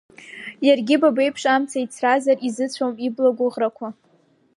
Иаргьы ба беиԥш амца ицразар, изыцәом ибла гәыӷрақәа!